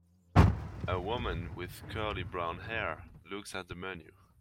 A woman with curly brown hair looks at a menu.